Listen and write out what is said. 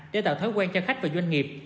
để tạo thói quen cho khách và doanh nghiệp